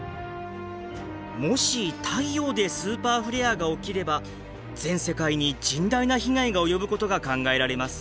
もし太陽でスーパーフレアが起きれば全世界に甚大な被害が及ぶことが考えられます。